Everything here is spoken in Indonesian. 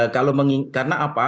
kalau mengingat karena apa